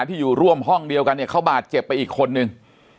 ที่อยู่ร่วมห้องเดียวกันเนี่ยเขาบาดเจ็บไปอีกคนนึง